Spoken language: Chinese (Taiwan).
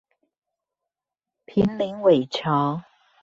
坪林尾橋